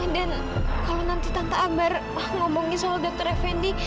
dan kalau nanti tante amer ngomongin soal dokter effendi